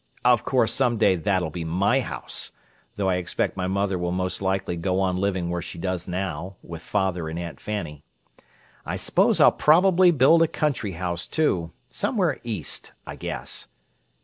Of course, some day that'll be my house, though I expect my mother will most likely go on living where she does now, with father and Aunt Fanny. I suppose I'll probably build a country house, too—somewhere East, I guess."